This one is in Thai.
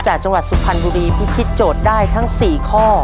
จังหวัดสุพรรณบุรีพิธิโจทย์ได้ทั้ง๔ข้อ